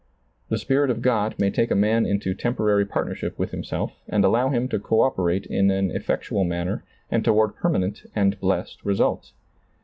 The Spirit of Grod may take a man into temporary partnership with Himself and allow him to co operate in an efllectual manner and toward per manent and blessed results.